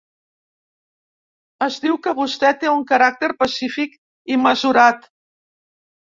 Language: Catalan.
Es diu que vostè té un caràcter pacífic i mesurat.